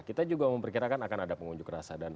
kita juga memperkirakan akan ada pengunjuk rasa